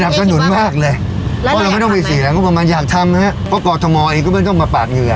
สนุนมากเลยเพราะเราไม่ต้องไปเสียงบประมาณอยากทำนะครับเพราะกรทมเองก็ไม่ต้องมาปาดเหงื่อ